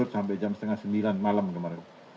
sampai jam setengah sembilan malam kemarin